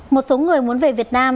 một số người muốn về việt nam